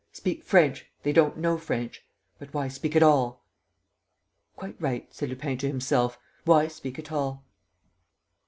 Speak French. They don't know French. But why speak at all?" "Quite right," said Lupin to himself. "Why speak at all?"